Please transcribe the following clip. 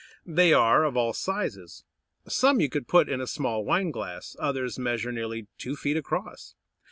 They are of all sizes. Some you could put in a small wineglass, others measure nearly two feet across.